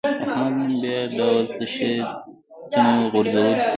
احمد نن بیا ډول ته ښې څڼې غورځولې.